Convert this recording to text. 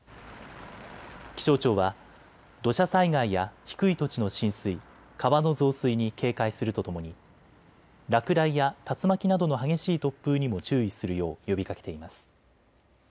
気象庁は土砂災害や低い土地の浸水、川の増水に警戒するとともに落雷や竜巻などの激しい突風にも注意するよう呼びかけています。